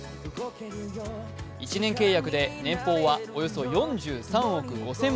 １年契約で年俸はおよそ４３億５０００万円。